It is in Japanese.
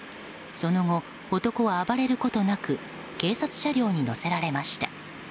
その後、男は暴れることなく警察車両に乗せられました。